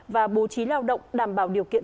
và bố trí lao động đảm bảo điều kiện